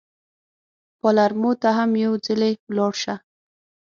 پالرمو ته هم یو ځلي ولاړ شه.